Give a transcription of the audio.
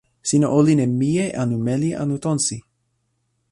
sina olin e meli anu mije anu tonsi?